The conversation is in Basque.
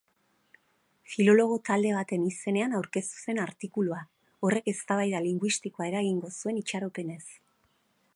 Filologo talde baten izenean aurkeztu zen artikulua, horrek eztabaida linguistikoa eragingo zuen itxaropenez.